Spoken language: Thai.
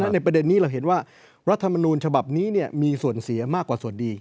ในประเด็นนี้เราเห็นว่ารัฐมนูลฉบับนี้มีส่วนเสียมากกว่าส่วนดี